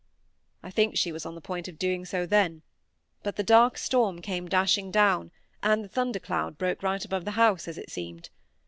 I think she was on the point of doing so then, but the dark storm came dashing down, and the thunder cloud broke right above the house, as it seemed.